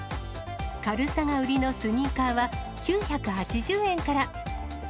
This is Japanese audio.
軽さが売りのスニーカーは、９８０円から。